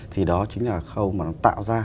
thì đó chính là khâu mà nó tạo ra